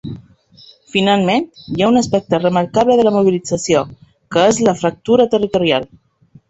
Finalment, hi ha un aspecte remarcable de la mobilització, que és la fractura territorial.